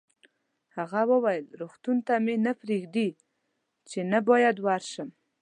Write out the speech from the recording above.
هغه وویل: روغتون ته مې نه پرېږدي، چې نه باید ورشم.